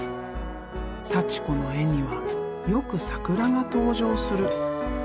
祥子の絵にはよく桜が登場する。